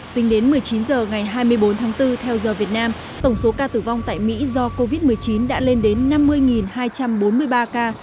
tính đến một mươi chín h ngày hai mươi bốn tháng bốn theo giờ việt nam tổng số ca tử vong tại mỹ do covid một mươi chín đã lên đến năm mươi hai trăm bốn mươi ba ca